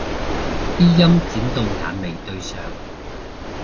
啲陰剪到眼眉對上